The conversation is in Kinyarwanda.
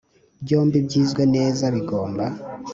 Byombi byizwe neza bigomba